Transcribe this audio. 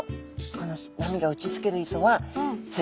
この波が打ちつける磯はす